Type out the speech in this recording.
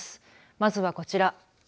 まずはこちら。